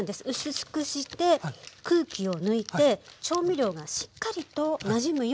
薄くして空気を抜いて調味料がしっかりとなじむようにして下さい。